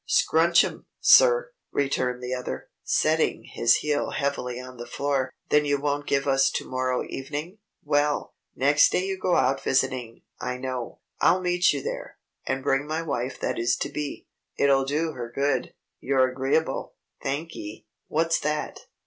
"Scrunch 'em, sir," returned the other, setting his heel heavily on the floor. "Then you won't give us to morrow evening? Well! Next day you go out visiting, I know. I'll meet you there, and bring my wife that is to be. It'll do her good. You're agreeable? Thankee. What's that?"